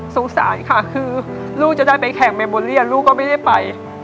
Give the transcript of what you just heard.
สงสารค่ะคือลูกจะได้ไปแข่งเมโบเรียนลูกก็ไม่ได้ไป